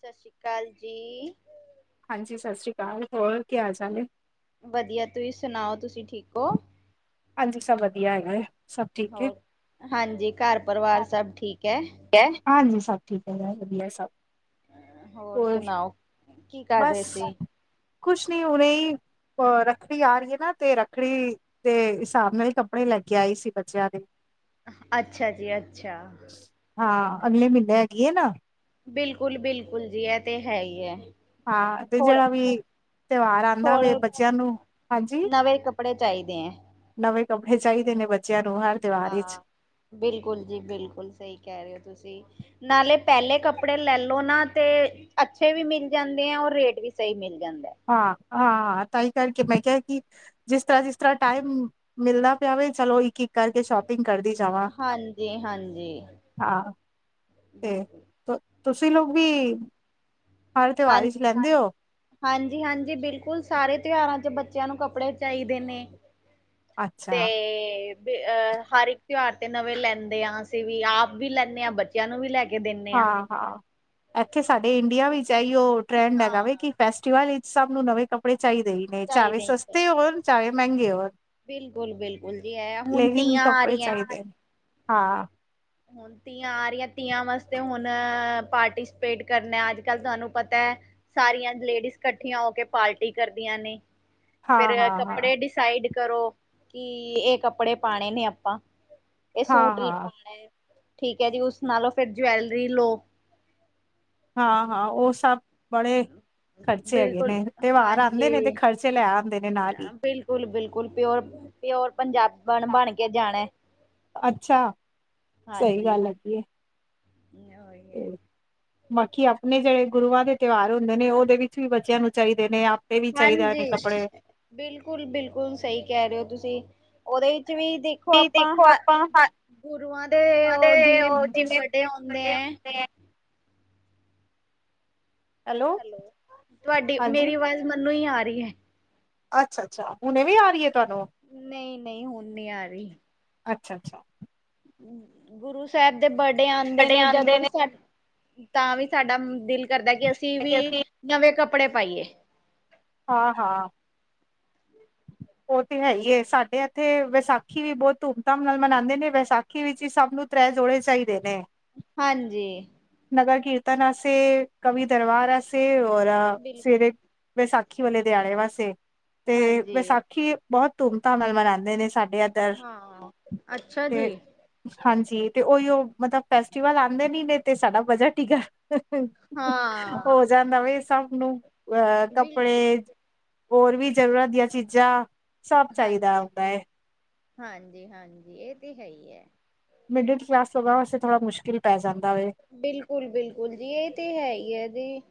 ਸਾਸ ਸ੍ਰੀ ਕਾਲ ਜੀ। ਹਾਂਜੀ ਸਤਿ ਸ਼੍ਰੀ ਕਾਲ ਹੋਰ ਕੀ ਹਾਲ ਚਾਲ ਐ? ਵਧੀਆ ਤੁਹੀ ਸੁਣਾਓ ਤੁਸੀਂ ਠੀਕ ਓ? ਹਾਂਜੀ ਸਭ ਵਧੀਆ ਹੈਗਾ ਏ। ਸਭ ਠੀਕ ਏ। ਹੋਰ, ਹਾਂਜੀ ਕਾੱਰ ਪਰਿਵਾਰ ਸਭ ਠੀਕ ਐ। ਕੇ ਹਾਂਜੀ ਸਭ ਠੀਕ ਹੈਗਾ ਵਧੀਆ ਸਭ। ਹੋਰ, ਕੀ ਕਰ ਰਹੇ ਬਸ ਸੀ? ਕੁਛ ਨੀ ਹੁਣੇ ਈ ਹੋਰ ਰੱਖੜੀ ਆ ਰਹੀ ਏ ਨਾ ਤੇ ਰੱਖੜੀ, ਤੇ ਸਾਬ ਨਾਲ ਈ ਕੱਪੜੇ ਲੈ ਕੇ ਆਈ ਸੀ ਬੱਚਿਆਂ ਦੇ ਅੱਛਾ ਜੀ ਅੱਛਾ। ਹਾਂ ਅਗਲੇ ਮੀਨੇ ਹੈਗੀ ਏ ਨਾ ਬਿਲਕੁਲ-ਬਿਲਕੁਲ ਜੀ ਐ ਤੇ ਹੈ ਈ ਐ। ਹਾਂ ਤੇ ਜੇੜਾ ਵੀ ਤਓਹਾਰ ਆਂਦਾ ਵੇ ਥੋੜੇ ਬੱਚਿਆਂ ਨੂੰ, ਹਾਂਜੀ! ਨਵੇਂ ਕੱਪੜੇ ਚਾਈਦੇ ਐਂ। ਨਵੇਂ ਕੱਪੜੇ ਚਾਈਦੇ ਨੇ ਬੱਚੇਆਂ ਨੂੰ ਹਰ ਤਿਓਹਾਰ ਵਿੱਚ ਹਾਂ, ਬਿਲਕੁਲ ਜੀ ਬਿਲਕੁਲ ਸਈ ਕੈ ਰਏ ਓਂ ਤੁਸੀਂ। ਨਾਲੇ ਪੈਲੇ ਕੱਪੜੇ ਲੈਲੋ ਨਾ ਤੇ ਅੱਛੇ ਵੀ ਮਿਲ ਜਾਂਦੇ ਐ ਔਰ ਰੇਟ ਵੀ ਸਈ ਮਿਲ ਜਾਂਦਾ। ਹਾਂ-ਹਾਂ ਤਾਂਈਂ ਕਰਕੇ ਮੈਂ ਕਿਆ ਕੀ ਜਿਸ ਤਰਾਂ-ਜਿਸ ਤਰਾਂ ਟਾਈਮ, ਮਿਲਦਾ ਪਿਆ ਹੋਵੇ ਚਲੋ ਇੱਕ -ਇੱਕ ਕਰਕੇ ਸ਼ੋਪਿੰਗ ਕਰਦੀ ਜਾਵਾਂ, ਹਾਂਜੀ ਹਾਂਜੀ, ਹਾਂ ਤੇ ਬਿਲਕੁਲ ਤੁਸੀਂ ਲੋਕ ਵੀ, ਹਰ ਤਿਓਹਾਰ ਵਿਚ ਲੈਂਦੇ ਓ। ਹਾਂਜੀ-ਹਾਂਜੀ ਬਿਲਕੁਲ ਸਾਰੇ ਤਿਓਹਾਰਾਂ ਚ ਬੱਚੇਆਂ ਨੂੰ ਕੱਪੜੇ ਚਾਈਦੇ ਨੇ। ਅੱਛਾ ਤੇ ਵੀ ਅਹ ਹਰ ਇੱਕ ਤਿਓਹਾਰ ਤੇ ਨਵੇਂ ਲੈਂਦੇ ਆ ਅਸੀਂ ਵੀ ਆਪ ਵੀ ਲੈਂਨੇ ਆਂ ਬੱਚੇ ਬੱਚੇਆਂ ਨੂੰ ਵੀ ਲੈ ਕੇ ਦਿੰਨ ਹਾਂ-ਹਾਂ, ਏਥੇ ਸਾਡੇ ਇੰਡੀਆ ਵਿੱਚ ਏਈਓ ਟਰੈਂਡ ਹੈਗਾ ਹਾਂ ਵੇ ਕੇ ਫੈਸਟੀਵਲ ਵਿਚ ਸਬ ਨੂੰ ਨਵੇਂ ਕੱਪੜੇ ਚਾਈਦੇ ਈ ਨੇ ਚਾਵੇ ਚਾਹੀਦੇ ਸਸਤੇ ਹੋਨ ਚਾਵੇ ਮੈਂਗੇ ਹੋਨ। ਬਿਲਕੁਲ-ਬਿਲਕੁਲ ਜੀ ਐ ਹੁਨ ਤੀਆਂ ਆ ਕੱਪੜੇ ਰੀਆਂ। ਚਾਹੀਦੇ ਨੇ ਹਾਂ। ਹੁਨ ਤੀ ਆ ਰੀਆਂ ਤੀਆਂ ਵਾਸਤੇ ਹੁਨ ਪਾਰਟੀਸਪੇਟ ਕਰਨਾ ਅੱਜ-ਕੱਲ ਤੁਹਾਨੂੰ ਪਤਾ ਸਾਰੀਆਂ ਲੇਡੀਜ਼ ਕੱਠੀਆਂ ਹੋ ਕੇ ਪਾਲਟੀ ਕਰਦੀਆਂ ਨੇ। ਫਿਰ ਹਾਂ ਹਾਂ ਹਾਂ ਕੱਪੜੇ ਡਿਸਾਈਡ ਕਰੋ, ਕੀ ਏ ਕੱਪੜੇ ਪਾਨੇ ਨੇ ਆਪਾਂ। ਏ ਹਾਂ ਸੂਟ ਲ ਹਾਂ ਪਾਨਾ, ਠੀਕ ਐ ਜੀ ਉਸ ਨਾਲ ਓ ਫਿਰ ਜਵੈਲਰੀ ਲੋ। ਹਾਂ-ਹਾਂ ਓ ਸਬ ਬੜੇ ਖਰਚੇ ਹੈਗੇ ਬਿਲਕੁਲ ਨੇ, ਤਿਓਹਾਰ ਹਾਂਜੀ ਆਂਦੇ ਨੇ ਤੇ ਖਰਚੇ ਲੈ ਆਂਦੇ ਨੇ ਨਾਲ ਈ। ਬਿਲਕੁਲ ਬਿਲਕੁਲ ਪਿਓਰ ਪਿਓਰ ਪੰਜਾਬਨ ਬਨ ਕੇ ਜਾਨਾ। ਅੱਛਾ, ਸਈ ਗੱਲ ਹੈਗੀ ਐ। ਨਿਓਏ ਤੇ ਬਾਕੀ ਆਪਨੇ ਜੇੜੇ ਗੁਰੂਆਂ ਦੇ ਤਿਓਹਾਰ ਹੁੰਦੇ ਨੇ ਓਦੇ ਵਿੱਚ ਵੀ ਬੱਚੇਆਂ ਨੂੰ ਚਾਈਦੇ ਨੇ ਆਪ ਏ ਵੀ ਚਾਈਦਾ ਨੇ ਕੱਪੜੇ ਬਿਲਕੁਲ-ਬਿਲਕੁਲ ਸਈ ਕੈ ਰਏ ਓ ਤੁਸੀਂ ਓਦੇ ਵਿੱਚ ਵੀ ਦੇਖ ਖੋ ਆਪਾਂ, ਗੁਰੂਆਂ ਦੇ ਓ ਜਿਵੇਂ ਉਹ ਜਿਵੇਂ ਬਡੇ ਔਂਦੇ ਐ ਹੈਲੋ, ਤੁਆਡੀ ਹਾਂਜੀ ਮੇਰੀ ਆਵਾਜ਼ ਮੰਨੂੰ ਈ ਆ ਰਈ ਐ। ਅੱਛਾ-ਅੱਛਾ ਹੁਨ ਵੀ ਆ ਰਈ ਐ ਤੁਆਨੂੰ। ਨਈਂ-ਨਈਂ ਹੁਨ ਨੀ ਆ ਰਈ। ਅੱਛਾ-ਅੱਛਾ। ਗੁਰੂ ਸੈਬ ਦੇ ਬਾਡੇ ਆਂਦੇ ਸਾਡੇ ਨੇ ਜਦੋਂ ਆਉਂਦੇ ਵੀ ਸਾ ਤਾਂ ਵੀ ਸਾਡਾ ਦਿਲ ਕਰਦਾ ਕੇ ਅਸੀਂ ਵੀ ਨਵੇਂ ਕੱਪੜੇ ਪਾਈਏ। ਹਾਂ-ਹਾਂ। ਓ ਤੇ ਹੈਈ ਐ ਸਾਡੇ ਤੇ ਵੈਸਾਖੀ ਵੀ ਬੋਤ ਧੂਮ ਧਾਮ ਨਾਲ ਮਨਾਂਦੇ ਨੇ ਵੈਸਾਖੀ ਵਿੱਚ ਵੀ ਸਬ ਨੂੰ ਤ੍ਰੈ ਜੋੜੇ ਚਾਈਦੇ ਨੇ। ਹਾਂਜੀ। ਨਗਰ ਕੀਰਤਨ ਆਸਤੇ ਕਵੀ ਦਰਬਾਰ ਅਸ ਤੇ ਔਰ ਆ ਬਿਲਕੁਲ ਸਵੇਰੇ ਵੈਸਾਖੀ ਵਾਲੇ ਦਿਆੜੇ ਵਾਸਤੇ, ਤੇ ਹਾਂਜੀ ਵੈਸਾ ਕੀ ਬੋਤ ਧੂਮ ਧਾਮ ਨਾਲ ਮਨਾਂਦੇ ਨੇ ਸਾਡੇ ਐਦਰ, ਹਾਂ ਅੱਛਾ ਜੀ ਤੇ ਹਾਂਜੀ ਤੇ ਓਈਓ ਮਤਲਬ ਫੈਸਟੀਵਲ ਆਂਦੇ ਨੀ ਨੇ ਤੇ ਸਾਡਾ ਬਜਟ ਟਿਗ ਹਾਂ ਹੋ ਜਾਂਦਾ ਬਈ ਸਭ ਨੂੰ ਅਹ ਬਿਲਕੁਲ ਕੱਪੜੇ ਹੋਰ ਵੀ ਜ਼ਰੂਰਤ ਦੀਆਂ ਚੀਜ਼ਾਂ ਸਭ ਚਾਹੀਦਾ ਹਾਂਜੀ ਹੁੰਦਾ ਹੈ ਹਾਂਜੀ - ਹਾਂਜੀ ਇਹ ਤੇ ਹੈ ਹੀ ਏ। ਮਿਡਲ ਕਲਾਸ ਲੋਕਾਂ ਵਾਸਤੇ ਥੋੜਾ ਮੁਸ਼ਕਿਲ ਪੈ ਜਾਂਦਾ ਏ ਬਿਲਕੁਲ - ਬਿਲਕੁਲ ਜੀ ਇਹ ਤੇ ਹੈ ਹੀ ਹੈ ਜੀ।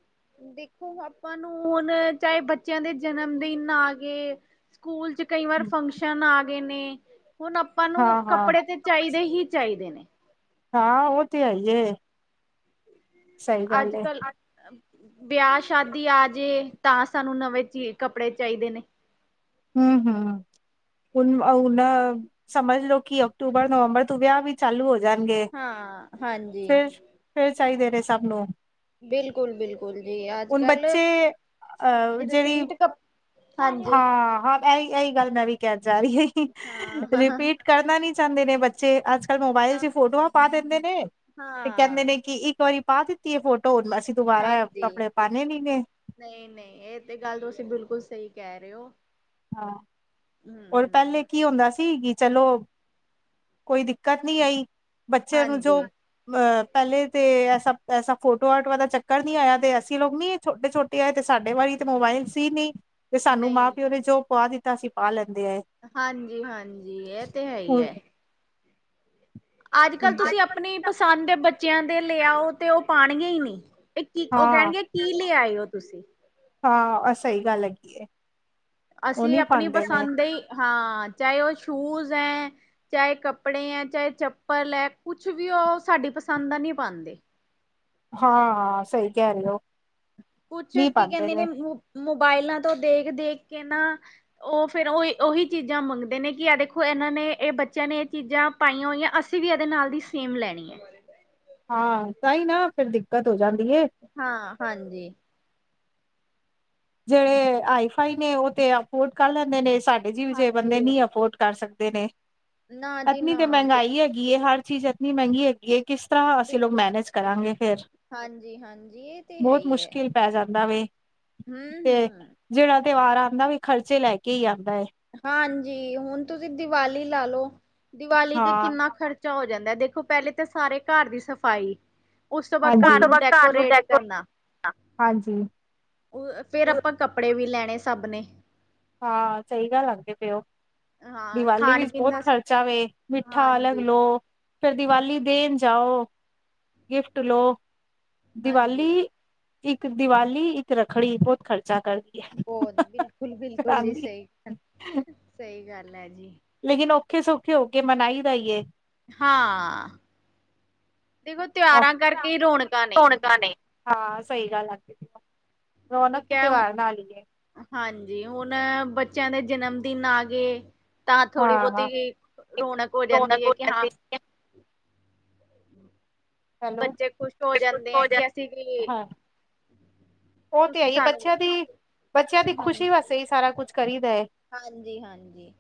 ਦੇਖੋ ਆਪਾਂ ਨੂੰ ਹੁਣ ਚਾਹੇ ਬੱਚਿਆਂ ਦੇ ਜਨਮ ਦਿਨ ਆ ਗਏ ਸਕੂਲ 'ਚ ਕਈ ਵਾਰ ਫੰਕਸ਼ਨ ਆ ਗਏ ਨੇ ਹੁਣ ਆਪਾਂ ਨੂੰ ਹਾਂ ਹਾਂ ਕੱਪੜੇ ਤੇ ਚਾਹੀਦੇ ਹੀ ਚਾਹੀਦੇ ਨੇ ਹਾਂ ਉਹ ਤੇ ਹੈ ਈ ਏ। ਸਹੀ ਗੱਲ ਅੱਜ - ਏ ਕੱਲ ਵਿਆਹ ਸ਼ਾਦੀ ਆਜੇ ਤਾਂ ਸਾਨੂੰ ਨਵੇਂ ਚ ਕੱਪੜੇ ਚਾਹੀਦੇ ਨੇ ਹੂੰ ਹੂੰ ਹੁਣ ਹਣ ਸਮਝ ਲੋਓ ਕਿ ਅਕਤੂਬਰ, ਨਵੰਬਰ ਤੂੰ ਵਿਆਹ ਵੀ ਚਾਲੂ ਹੋ ਜਾਣਗੇ ਹਾਂ ਹਾਂਜੀ ਫਿਰ ਫੇਰ ਚਾਹੀਦੇ ਨੇ ਸਭ ਨੂੰ ਬਿਲਕੁਲ - ਬਿਲਕੁਲ ਜੀ ਅੱਜ ਹੁਣ ਕੱਲ ਬੱਚੇ ਅਹ ਜਿਹੜੀ ਰਪੀਟ ਕੱਪ ਹਾਂਜੀ ਹਾਂ ਇਹੀ - ਇਹੀ ਗੱਲ ਮੈਂ ਵੀ ਕਹਿਣ ਜਾ ਰਹੀ ਹੈਗੀ ਹਾਂ ਹਾਂ ਰਿਪੀਟ ਕਰਨਾ ਨੀ ਚਾਹੁੰਦੇ ਨੇ ਬੱਚੇ ਅੱਜ ਮੋਬਾਇਲ ਹਾਂ ਚ ਫੋਟੋਆਂ ਪਾ ਦਿੰਦੇ ਨੇ ਤੇ ਕਹਿੰਦੇ ਹਾਂ ਨੇ ਕਿ ਇੱਕ ਵਾਰੀ ਪਾ ਦਿੱਤੀ ਏ ਫੋਟੋ ਹੁ ਅਸੀਂ ਦੁਬਾਰਾ ਕੱਪੜੇ ਪਾਨੇ ਨੀ ਗੇ ਨਈ- ਨਈ ਇਹ ਤੇ ਗੱਲ ਤੁਸੀਂ ਬਿਲਕੁਲ ਸਹੀ ਕਹਿ ਰਹੇ ਹੋ ਹਾਂ ਹੋਰ ਪਹਿਲੇ ਹੂੰ ਕੀ ਹੁੰਦਾ ਸੀ ਕਿ ਚਲੋ ਕੋਈ ਦਿੱਕਤ ਨੀ ਆਈ ਬੱਚੇ ਨੂੰ ਜੋ ਹਾਂਜੀ ਅਹ ਪਹਿਲੇ ਤੇ ਐਸਾ - ਐਸਾ ਫੋਟੋ ਆਰਟ ਵਾਲਾ ਚੱਕਰ ਨੀ ਆਇਆ ਤੇ ਅਸੀਂ ਲੋਕ ਨੀ ਛੋਟੇ - ਛੋਟੇ ਏ ਤੇ ਸਾਡੇ ਵਾਰੀ ਤੇ ਮੋਬਾਇਲ ਸੀ ਨੀ ਤੇ ਸਾਨੂੰ ਮਾਂ ਨਹੀਂ ਪਿਓ ਨੇ ਜੋ ਪੁਆ ਦਿੱਤਾ ਅਸੀਂ ਪਾ ਲੈਂਦੇ ਆ ਹਾਂਜੀ-ਹਾਂਜੀ ਇਹ ਤੇ ਹੈ ਹੀ ਹ ਹੈ। ਅੱਜ ਕੱਲ ਤੇ ਤੁਸੀਂ ਆਪਣੀ ਪਸੰਦ ਦੇ ਬੱਚਿਆਂ ਦੇ ਲੈ ਆਓ ਤੇ ਉਹ ਪਾਉਣਗੇ ਹੀ ਨੀ ਇਹ ਕੀ ਉਹ ਹਾਂ ਕਹਿਣਗੇ ਕੀ ਲੈ ਆਏ ਹੋ ਤੁਸੀਂ? ਹਾਂ ਸਹੀ ਗੱਲ ਹੈਗੀ ਆ। ਅਸੀਂ ਆਪਣੇ ਪਸੰਦ ਦੇ ਹੀ ਹਾਂ ਚਾਹੇ ਉਹ ਸ਼ੂਜ਼ ਏ ਚਾਹੇ ਕੱਪੜੇ ਹੈ, ਚਾਹੇ ਚੱਪਲ ਹੈ ਕੁੱਛ ਵੀ ਉਹ ਸਾਡੀ ਪਸੰਦ ਦਾ ਨਈ ਪਾਦੇ ਹਾਂ ਸਹੀ ਕਹਿ ਰਹੇ ਹੋ? ਕੁੱਛ ਨਹੀਂ ਕੀ ਪਾਉਂਦੇ ਕਹਿੰਦੇ ਨੇ ਮੋਬਾਇਲਾਂ ਤੋਂ ਦੇਖ - ਦੇਖ ਕੇ ਨਾ ਉਹ ਫਿਰ ਉਹੀ ਉਹੀ ਚੀਜ਼ਾਂ ਮੰਗਦੇ ਨੇ ਕਿ ਆ ਦੇਖੋ ਇਹਨਾਂ ਨੇ ਇਹ ਬੱਚਿਆਂ ਨੇ ਇਹ ਚੀਜ਼ਾਂ ਪਾਈਆਂ ਹੋਈਆਂ ਅਸੀਂ ਵੀ ਇਹਦੇ ਨਾਲ ਦੀ ਸੇਮ ਲੈਣੀ ਐ। ਹਾਂ ਤਾਂਈ ਨਾ ਫਿਰ ਦਿੱਕਤ ਹੋ ਜਾਂਦੀ ਐ। ਹਾਂ ਹਾਂਜੀ। ਜਿਹੜੇ ਹਾਈਫਾਈ ਨੇ ਉਹ ਤੇ ਅਫੋਰਡ ਕਰ ਲੈਂਦੇ ਨੇ, ਸਾਡੇ ਜਿਹੋ ਜੇ ਬੰਦੇ ਹਾਂਜੀ। ਨੀ ਅਫੋਰਡ ਕਰ ਸਕਦੇ ਨੇ, ਨਾ ਜੀ ਇਤਨੀ ਤਾਂ ਨਾ ਬਿ ਮਹਿੰਗਾਈ ਹੈਗੀ ਐ ਹਰ ਚੀਜ਼ ਇੰਨੀ ਮਹਿੰਗੀ ਹੈਗੀ ਐ, ਕਿਸ ਤਰ੍ਹਾਂ ਅਸੀਂ ਲੋਕ ਬਿਲਕੁਲ ਮੈਨੇਜ ਕਰਾਂਗੇ ਫਿਰ। ਹਾਂਜੀ। ਹਾਂਜੀ, ਇਹ ਤੇ ਹੈ ਈ। ਮੁਸ਼ਕਿਲ ਪੈ ਜਾਂਦਾ ਵੇ। ਤੇ ਹਮ। ਜਿਹੜਾ ਤਿਉਹਾਰ ਆਂਦਾ ਵੇ ਖਰਚੇ ਲੈ ਕੇ ਈ ਆਂਦਾ ਏ। ਹਾਂਜੀ, ਹੁਣ ਤੁਸੀਂ ਦੀਵਾਲੀ ਲਾ ਲੋ ਦੀਵਾਲੀ ਤੇ ਹਾਂ ਕਿੰਨਾ ਖਰ ਚਾ ਹੋ ਜਾਂਦਾ ਦੇਖੋ ਪਹਿਲੇ ਤਾਂ ਸਾਰੇ ਘਰ ਦੀ ਸਫ਼ਾਈ ਉਸ ਤੋਂ ਬਾਅਦ ਘਰ ਤੋਂ ਨੂੰ ਘਰ ਨੂੰ ਡੈਕੋਰੇਟ ਡੈਕੋ ਕਰਨਾ ਹਾਂਜੀ ਉਹ ਫਿਰ ਆਪਾਂ ਕੱਪੜੇ ਵੀ ਲੈਣੇ ਸਭ ਨੇ ਹਾਂ, ਸਹੀ ਗੱਲ ਆਖਦੇ ਪਏ। ਹਾਂ ਦੀਵਾਲੀ ਖਾਣ ਵਿੱਚ ਪੀਣ ਬਹੁਤ ਦਾ ਖਰਚਾ ਵੇ, ਮਿੱਠਾ ਅਲੱਗ ਹਾਂਜੀ ਲੋ ਫੇਰ ਦੀਵਾਲੀ ਦੇਣ ਜਾਓ, ਗਿਫਟ ਲੋ, ਦੀਵਾਲੀ ਹਾਂਜੀ ਇੱਕ ਦੀਵਾਲੀ, ਇੱਕ ਰੱਖੜੀ, ਬਹੁਤ ਖਰਚਾ ਕਰਦੀ ਏ। ਬੋਤ, ਬਿਲਕੁਲ- ਬਿਲਕੁਲ ਜੀ ਕਰਾਂਦੀ ਸਹੀ ਗੱਲ, ਸਹੀ ਗੱਲ ਐ ਜੀ‌। ਲੇਕਿਨ ਔਖੇ ਸੌਖੇ ਹੋ ਕੇ ਮਨਾਈ ਦਾ ਏ। ਹਾਂ, ਦੇਖੋ ਤਿਹਾਰਾਂ ਕਰਕੇ ਈ ਰੌਣਕਾਂ ਨੇ। ਰੌਣਕਾਂ ਨੇ। ਹਾਂ, ਸਹੀ ਗੱਲ ਆਖੀ ਤੁਸਾਂ, ਰੌਣਕ ਠੀਕ ਤੇ ਹੈ ਤਿਉਹਾਰ ਨਾਲ‌ ਈ ਐ। ਹਾਂਜੀ, ਹੁਨ ਬੱਚਿਆਂ ਦੇ ਜਨਮ ਦਿਨ ਆ ਗਏ ਤਾਂ ਥੋੜੀ ਬਹੁਤੀ ਰੌਣਕ ਹੋ ਜਾਂਦੀ ਏ, ਕਿ ਹਾਂ ਹੈਲੋ, ਬੱਚੇ ਖੁਸ਼ ਹੋ ਜੇ ਕੁਛ ਜਾਂਦੇ ਹੋ ਹੈ ਜਾਣ, ਕਿ ਅਸੀਂ ਵੀ ਹਾਂ ਉਹ ਤੇ ਹੈ ਤੁਸੀਂ ਈ ਏ, ਸਾਨੂੰ ਬੱਚਿਆਂ ਦੀ, ਬੱਚਿਆਂ ਦੀ ਹਾਂਜੀ ਖੁਸ਼ੀ ਵਾਸਤੇ ਹੀ ਸਾਰਾ ਕੁੱਝ ਕਰੀਦਾ ਏ। ਹਾਂਜੀ- ਹਾਂਜੀ।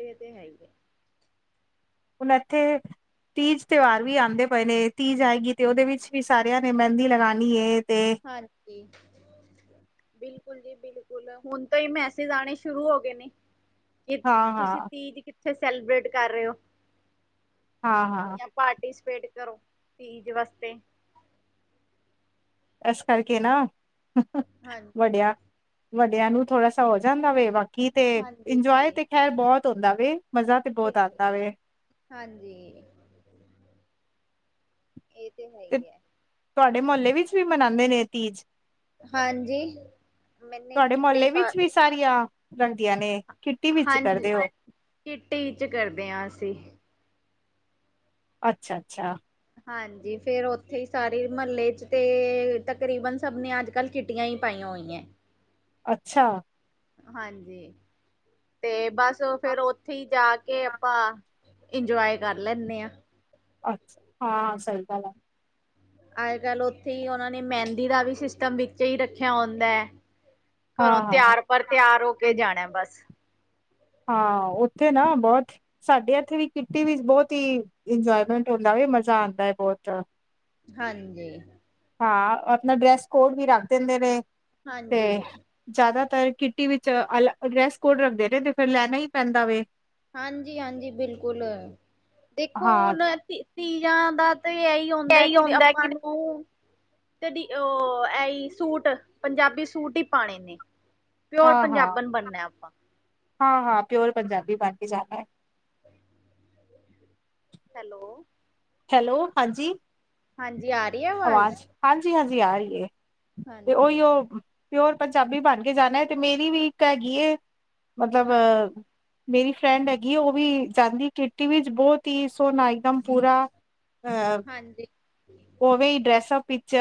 ਇਹ ਤੇ ਹੈ ਹੀ ਐ। ਹੁਣ ਐਥੇ ਤੀਜ ਤਿਉਹਾਰ ਵੀ ਆਉਂਦੇ ਪਏ ਨੇ, ਤੀਜ ਆਏਗੀ ਤੇ ਉਹਦੇ ਵਿੱਚ ਵੀ ਸਾਰਿਆਂ ਨੇ ਮਹਿੰਦੀ ਲਗਾਣੀ ਏ ਤੇ ਹਾਂਜੀ। ਬਿਲਕੁਲ ਜੀ ਬਿਲਕੁਲ, ਹੁਣ ਤੋਂ ਈ ਮੈਸੇਜ ਆਉਣੇ ਸ਼ੁਰੂ ਹੋ ਗਏ ਨੇ। ਕਿ, ਹਾਂ ਤੁਸੀਂ ਹਾਂ ਤੀਜ ਕਿੱਥੇ ਸੈਲੀਬ੍ਰੇਟ ਕਰ ਰਹੇ ਹੋ? ਹਾਂ- ਹਾਂ। ਜਾਂ ਪਾਰਟੀਸਪੇਟ ਕਰੋ, ਤੀਜ ਵਾਸਤੇ। ਐਸ ਕਰਕੇ ਨਾ, ਹਾਂਜੀ ਵੱਡਿਆ, ਵੱਡਿਆਂ ਨੂੰ ਥੋੜਾ ਸਾ ਹੋ ਜਾਂਦਾ ਵੇ ਵਕ ਕੀ ਤੇ, ਹਾਂਜੀ ਇੰਜੋਏ ਜੀ ਤੇ ਖੈਰ ਬਹੁਤ ਹੁੰਦਾ ਵੇ, ਮਜ਼ਾ ਤੇ ਬਹੁਤ ਬਿਲਕੁਲ ਆਂਦਾ ਵੇ। ਹਾਂਜੀ, ਏ ਤੇ ਹੈ। ਤੇ, ਹੀ ਹੈ ਤਾਡੇ ਮੁਹੱਲੇ ਵਿੱਚ ਵੀ ਮਨਾਂਦੇ ਨੇ ਤੀਜ? ਹਾਂਜੀ, ਮੈਨੇ ਤੁਹਾਡੇ ਕਿੱਟੀ ਮੁਹੱਲੇ ਪਾ ਵਿੱਚ ਵੀ ਸਾਰੀਆਂ, ਰੰਗਦੀਆਂ ਨੇ। ਕਿੱਟੀ ਵਿੱਚ ਹਾਂਜੀ, ਕਰਦੇ ਹੋ ਕਿੱਟੀ 'ਚ ਕਰਦੇ ਆਂ ਅਸੀਂ। ਅੱਛਾ- ਅੱਛਾ। ਹਾਂਜੀ, ਫੇਰ ਉੱਥੇ ਈ ਸਾਰੇ ਮਹੱਲੇ 'ਚ ਤੇ, ਤਕਰੀਬਨ ਸਭ ਨੇ ਅੱਜ ਕੱਲ ਕਿੱਟੀਆਂ ਈ ਪਾਈਆਂ ਹੋਈਆਂ। ਅੱਛਾ। ਹਾਂਜੀ, ਤੇ ਬਸ ਫੇਰ ਉੱਥੇ ਈ ਜਾ ਕੇ ਆਪਾਂ ਇੰਜੋਏ ਕਰ ਲੈਂਨੇ ਆ। ਅੱਛਾ, ਹਾਂ ਸਹੀ ਗੱਲ ਐ ਅੱਜ- ਕੱਲ ਉੱਥੇ ਹੀ ਉਹਨਾਂ ਨੇ ਮਹਿੰਦੀ ਦਾ ਵੀ ਸਿਸਟਮ ਵਿੱਚ ਹੀ ਰੱਖਿਆ ਹੁੰਦਾ ਐ। ਹਾਂ ਘਰੋਂ ਹਾਂ ਤਿਆਰ -ਪਰ ਤਿਆਰ ਹੋ ਕੇ ਜਾਣਾ ਬਸ। ਹਾਂ ਓਥੇ ਨਾ ਬਹੁਤ ਸਾਡੇ ਇੱਥੇ ਵੀ ਕਿੱਟੀ ਵਿੱਚ ਬਹੁਤ ਹੀ, ਇੰਜੋਏਮੈਂਟ ਹੁੰਦਾ ਵੀ ਮਜ਼ਾ ਆਂਦਾ ਐ ਬਹੁਤ ਹਾਂਜੀ ਹਾਂ, ਆਪਣਾ ਡਰੈਸ ਕੋਡ ਵੀ ਰੱਖ ਦੇਂਦੇ ਨੇ, ਤੇ ਹਾਂਜੀ। ਜ਼ਿਆਦਾਤਰ ਕਿੱਟੀ ਵਿੱਚ ਅਲੱ, ਡਰੈਸ ਕੋਡ ਰੱਖਦੇ ਨੇ ਤੇ ਫੇਰ ਲੈਣਾ ਹੀ ਪੈਂਦਾ ਵੇ ਹਾਂਜੀ- ਹਾਂਜੀ ਬਿਲਕੁਲ, ਦੇਖੋ ਹਾਂ ਹੁਣ ਤੀ, ਤੀਆਂ ਦਾ ਤੇ ਐਹੀ ਹੁੰਦਾ, ਕਿ ਆਪਾਂ ਨੂੰ ਤੇ ਕਦੀ ਓ, ਐ ਈ ਸੂਟ, ਪੰਜਾਬੀ ਸੂਟ ਹੀ ਪਾਣੇ ਨੇ ਪਿਓਰ ਹਾਂ ਹਾਂ ਪੰਜਾਬਨ ਬਣਨਾ ਆਪਾਂ। ਹਾਂ-ਹਾਂ ਪਿਓਰ ਪੰਜਾਬੀ ਬਨ ਕੇ ਜਾਨਾ ਐ। ਹੈਲੋ ਹੈਲੋ, ਹਾਂਜੀ ਹਾਂਜੀ ਆ ਰੀ ਏ ਆਵਾਜ? ਆਵਾਜ਼ ਹਾਂਜੀ-ਹਾਂਜੀ ਆ ਰੀ ਏ, ਤੇ ਹਾਂਜੀ। ੳਈੳ ਪਿਓਰ ਪੰਜਾਬੀ ਬਣ ਕੇ ਜਾਨਾ ਐ ਤੇ ਮੇਰੀ ਵੀ ਇੱਕ ਹੈਗੀ ਏ ਮਤਲਬ ਹਾਂਜੀ ਮੇਰੀ ਫਰੈਂਡ ਹੈਗੀ ਏ, ੳਹ ਵੀ ਜਾਂਦੀ ਕਿਟੀ ਵਿੱਚ ਬੋਤ ਈ ਸੋਹਨਾ ਇੱਕਦਮ ਪੂਰਾ ਹਾਂਜੀ। ੳਵੇਂ ਡਰੈਸਅਪ ਵਿੱਚ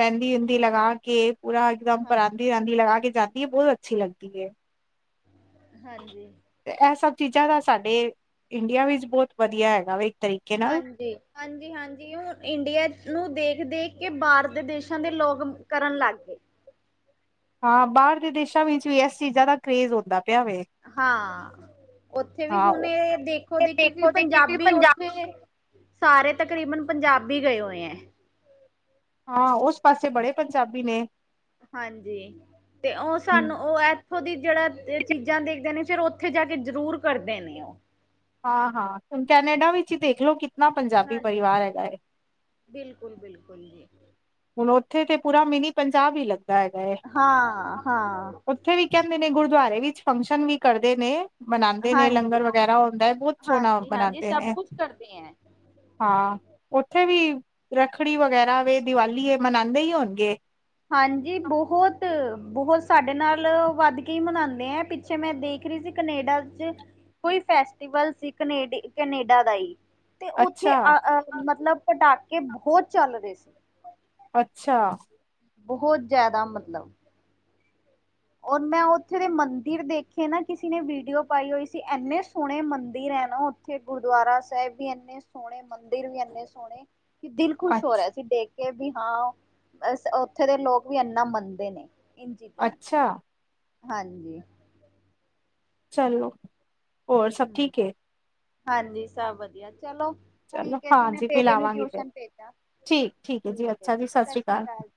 ਮੈਂਦੀ ਮੂਦੀ ਲਗਾ ਕੇ ਪੂਰਾ ਇਕਦਮ ਹਾਂ ਪਰਾਂਦਾ ਦੀ ਲਗਾ ਕੇ ਜਾਂਦੀ ਏ, ਬੋਤ ਅੱਛੀ ਲਗਦੀ ਏ। ਹਾਂਜੀ। ਤੇ ਐ ਸਭ ਚੀਜਾਂ ਦਾ ਸਾਡੇ ਇੰਡੀਆ ਵਿੱਚ ਬੋਤ ਵਧੀਆ ਹੈਗਾ ਵਾ ਇੱਕ ਤਰੀਕੇ ਨਾਲ। ਹਾਂਜੀ-ਹਾਂਜ ਕੀ ਹੁਨ ਇੰਡੀਆ ਨੂੰ ਦੇਖ-ਦੇਖ ਕੇ ਬਾਹਰ ਦੇ ਦੇਸ਼ਾਂ ਦੇ ਲੋਗ ਕਰਨ ਲੱਗ ਪਏ। ਹਾਂ ਬਾਹਰ ਦੇ ਦੇਸਾਂ ਵਿੱਚ ਵੀ ਏਸ ਚੀਜ ਦਾ ਕਰੇਜ ਹੁੰਦਾ ਪੇਆ ਵੇ। ਹਾਂ ੳਥੇ ਵੀ ਹਾਂ ਹੁਨ ਉਹ ਏਹ ਦੇਖੋ ਦੇਖੀ ਕਿ ਪੰਜਾਬੀ ੳਥੇ ਸਾਰੇ ਤਕਰੀਬਨ ਪੰਜਾਬੀ ਗਏ ਹੋਂਏ ਐ। ਆਹ ੳਸ ਪਾਸੇ ਬੜੇ ਪੰਜਾਬੀ ਨੇ। ਹਾਂਜੀ, ਤੇ ੳਹ ਸਾਨੂੰ ੳ ਐ ਖੁਦ ਈ ਜੇੜਾ ਚੀਜਾਂ ਦੇਖਦੇ ਨੇ ਫੇਰ ੳਥੇ ਜਾ ਕੇ ਜਰੂਰ ਕਰਦੇ ਨੇ ੳ। ਹਾਂ-ਹਾਂ, ਹੁਨ ਕੈਨੇਡਾ ਵਿੱਚ ਈ ਦੇਖ ਲਓ ਕਿਤਨਾ ਪੰਜਾਬੀ ਪਰਿਵਾਰ ਹੈਗਾ ਏ। ਬਿਲਕੁਲ-ਬਿਲਕੁਲ ਜੀ। ਹੁਨ ੳਥੇ ਤੇ ਪੂਰਾ ਮਿਨੀ ਪੰਜਾਬ ਈ ਲੱਗਦਾ ਹੈਗਾ ਏ। ਹਾਂ ਹਾਂ ੳਥੇ ਵੀ ਕਹੰਦੇ ਨੇ ਗੁਰਦੁਆਰੇ ਵਿੱਚ ਫੰਕਸ਼ਨ ਵੀ ਕਰਦੇ ਨੇ ਮਨਾਂਦੇ ਨੇ, ਹਾਂਜੀ ਲੰਗਰ ਵਗੈਰਾ ਹੁੰਦਾ ਐ, ਬੋਤ ਸੋਹਣਾ ਹਾਂਜੀ ਹਾਂਜੀ ਬਨਾਦੇ ਸਭ ਨੇ। ਕੁਛ ਕਰਦੇ ਹੈ ਹਾਂ, ੳਥੇ ਵੀ ਰੱਖੜੀ ਵਗੈਰਾ ਵੇ, ਦੀਵਾਲੀ ਏ, ਮਨਾੰਦੇ ਈ ਹੋਨਗੇ। ਹਾਂਜੀ ਬੋਹਤ, ਬੋਹਤ ਸਾਡੇ ਨਾਲੋ ਵੱਧ ਕੇ ਈ ਮਨਾਂਦੇ ਆ ਪਿੱਛੇ ਮੈਂ ਦੇਖ ਰਹੀ ਸੀ ਕਨੇਡਾ ਚ ਕੋਈ ਫੈਸਟੀਵਲ ਸੀ ਕਨੇਡ ਕਨੇਡਾ ਦਾ ਈ ਤੇ ੳਥੇ ਅੱਛਾ ਅ ਮਤਲਬ ਪਟਾਕੇ ਬੋਹਤ ਚੱਲ ਰਹੇ ਸੀ। ਅੱਛਾ। ਬੋਹਤ ਜਾਦਾ ਮਤਲਬ ਔਰ ਮੈਂ ੳਥੇ ਦੇ ਮੰਦਿਰ ਦੇਖੇ ਨਾ ਕਿਸੇ ਨੇ ਵੀਡੀਓ ਪਾਈ ਹੋਈ ਸੀ, ਏਨੇ ਸੋਹਣੇ ਮੰਦਿਰ ਹੈ ਨਾ ੳਥੇ ੳਥੇ ਗੁਰਦੁਆਰਾ ਸਾਹਿਬ ਵੀ ਏਨੇ ਸੋਹਣੇ ਮੰਦਿਰ ਵੀ ਏਨੇ ਸੋਹਣੇ ਕਿ ਦਿਲ ਖੁਸ਼ ਹੋ ਅੱਛ ਰਿਹਾ ਸੀ ਦੇਖ ਕੇ ਵੀ ਹਾਂ ਅ ੳਥੇ ਦੇ ਲੋਕ ਵੀ ਏਨਾ ਮੰਨਦੇ ਨੇ। ਇਨ ਚੀਜ਼ਾਂ ਨੂੰ ਅੱਛਾ। ਹਾਂਜੀ। ਚਲੋ, ਔਰ ਸਭ ਹੂੰ, ਠੀਕ ਏ? ਹਾਂਜੀ, ਸਭ ਵਧੀਆ ਚਲੋ ਚਲੋ ਠੀਕ ਏ ਜੀ, ਮੈਂ ਹਾਂਜੀ ਬੇਟੇ ਨੂੰ ਮਿਲਾਵਾਂਗੀ ਫਿਰ ਟਿਊਸ਼ਨ ਭੇਜ ਦਾ ਠੀਕ ਏ ਜੀ ਸਤਿ ਸ੍ਰੀ ਅਕਾਲ।